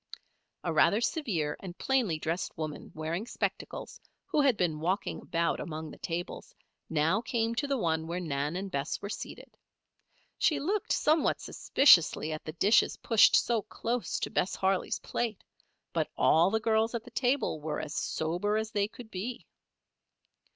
A rather severe and plainly dressed woman, wearing spectacles, who had been walking about among the tables, now came to the one where Nan and Bess were seated. She looked somewhat suspiciously at the dishes pushed so close to Bess Harley's plate; but all the girls at the table were as sober as they could be.